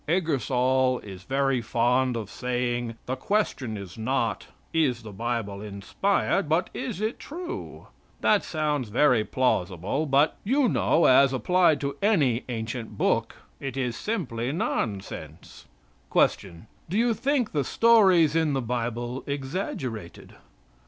"Ingersoll is very fond of saying 'The question is not, is the Bible inspired, but is it true?' That sounds very plausible, but you know as applied to any ancient book it is simply nonsense." Q. Do you think the stories in the Bible exaggerated?